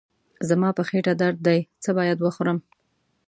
زما په خېټه درد دی، څه باید وخورم؟